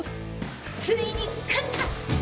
ついに勝った！